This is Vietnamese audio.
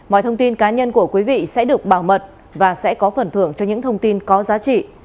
mọi thông tin cá nhân của quý vị sẽ được bảo mật và sẽ có phần thưởng cho những thông tin có giá trị